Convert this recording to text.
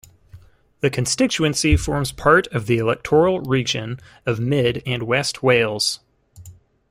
The constituency forms part of the electoral region of Mid and West Wales.